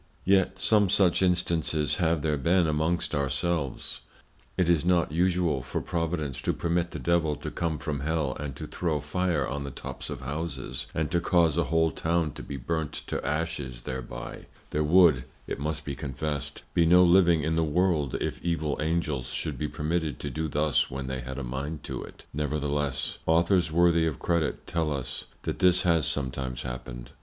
Yet some such Instances have there been amongst our selves. It is not usual for Providence to permit the Devil to come from Hell and to throw Fire on the tops of Houses, and to cause a whole Town to be burnt to Ashes thereby; there would (it must be confessed) be no living in the World, if evil Angels should be permitted to do thus when they had a mind to it; nevertheless, Authors worthy of Credit, tell us, that this has sometimes happened.